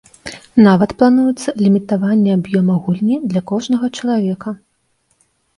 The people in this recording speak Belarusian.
Нават плануецца лімітаванне аб'ёма гульні для кожнага чалавека.